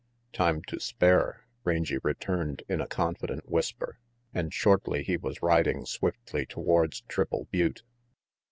"Time to spare," Rangy returned in a confident whisper; and shortly he was riding swiftly towards Triple Butte.